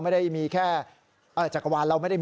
แล้วก็เรียกเพื่อนมาอีก๓ลำ